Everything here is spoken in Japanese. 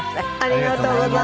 ありがとうございます。